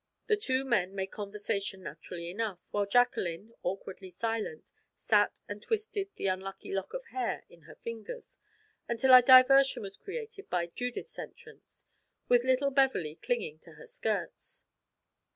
The two men made conversation naturally enough, while Jacqueline, awkwardly silent, sat and twisted the unlucky lock of hair in her fingers until a diversion was created by Judith's entrance, with little Beverley clinging to her skirts.